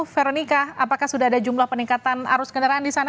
veronica apakah sudah ada jumlah peningkatan arus kendaraan di sana